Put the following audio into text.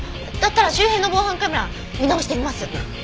だったら周辺の防犯カメラ見直してみます。